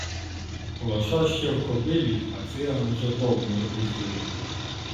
Лоша ще в кобилі, а циган уже довбню ріхтує.